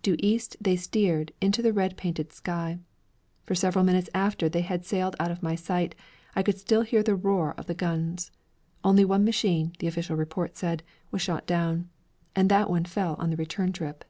Due east they steered, into the red painted sky. For several minutes after they had sailed out of my sight I could still hear the roar of the guns. Only one machine, the official report said, was shot down, and that one fell on the return trip.